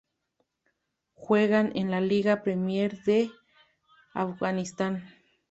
Juegan en la Liga Premier de Afganistán.